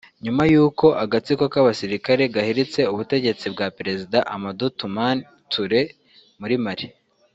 nyuma y’uko agatsiko k’abasirikare gahiritse ubutegetsi bwa Perezida Amadou Toumani Touré muri Mali